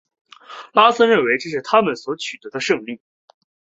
拉森认为这是他们所取得的胜利。